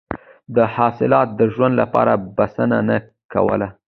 دا حاصلات د ژوند لپاره بسنه نه کوله.